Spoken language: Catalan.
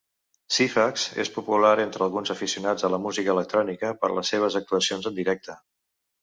Ceephax és popular entre alguns aficionats a la música electrònica per les seves actuacions en directe.